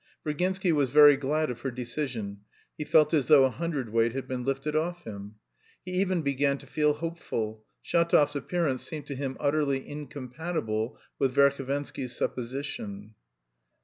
Virginsky was very glad of her decision, he felt as though a hundredweight had been lifted off him! He even began to feel hopeful: Shatov's appearance seemed to him utterly incompatible with Verhovensky's supposition.